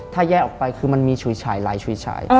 ถ้าแยกออกไปคือมันมีฉุยฉายลายฉุยฉาย